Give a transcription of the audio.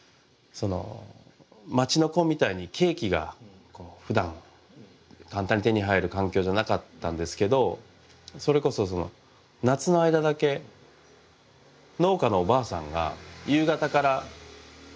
町の子みたいにケーキがふだん簡単に手に入る環境じゃなかったんですけどそれこそ夏の間だけ農家のおばあさんが夕方からかき氷屋さんをやってたんですよ。